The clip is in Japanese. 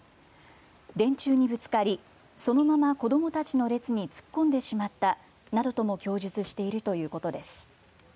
電柱にぶつかりそのまま子どもたちの列に突っ込んでしまったなどとも供述しているということです。